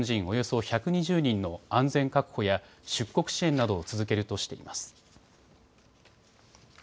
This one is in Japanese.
およそ１２０人の安全確保や出国支援などを続けるとしています。